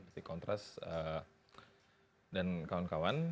seperti kontras dan kawan kawan